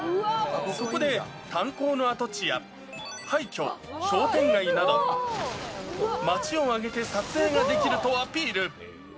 そこで、炭鉱の跡地や廃虚、商店街など、街を挙げて撮影ができるとアピール。